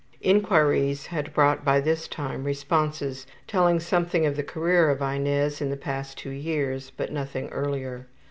Inquiries had brought by this time responses telling something of the career of Inez in the past two years, but nothing earlier.